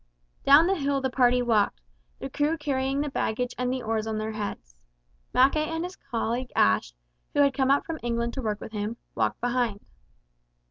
Down the hill the party walked, the crew carrying the baggage and the oars on their heads. Mackay and his colleague Ashe, who had come out from England to work with him, walked behind.